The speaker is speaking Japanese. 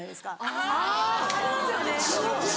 あぁ！ありますよね。